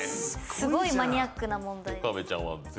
スゴいマニアックな問題です。